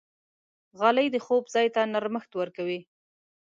غالۍ د خوب ځای ته نرمښت ورکوي.